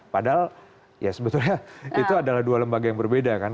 padahal ya sebetulnya itu adalah dua lembaga yang berbeda kan